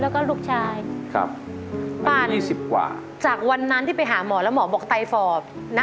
แล้วก็ลูกชายป้า๒๐กว่าจากวันนั้นที่ไปหาหมอแล้วหมอบอกไตฝอบ